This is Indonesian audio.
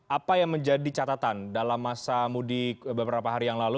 apa yang menjadi catatan dalam masa mudik beberapa hari yang lalu